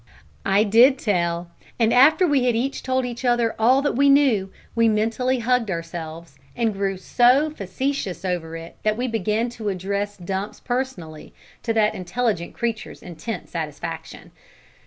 I did tell, and after we had each told all that we knew, we mentally hugged ourselves, and grew so facetious over it that we began to address Dumps personally, to that intelligent creature's intense satisfaction.